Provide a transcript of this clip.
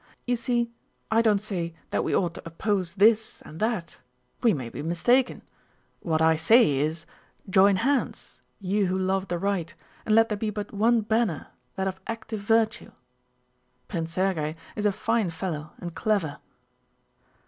You see, I don't say that we ought to oppose this and that. We may be mistaken. What I say is: 'Join hands, you who love the right, and let there be but one banner—that of active virtue.' Prince Sergéy is a fine fellow and clever."